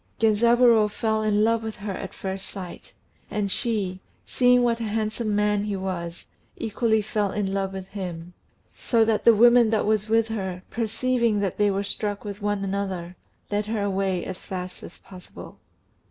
Genzaburô fell in love with her at first sight; and she, seeing what a handsome man he was, equally fell in love with him; so that the woman that was with her, perceiving that they were struck with one another, led her away as fast as possible.